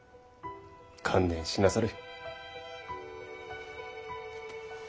観念しなされ。